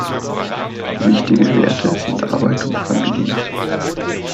Wichtige Werte sind Arbeit und Familie.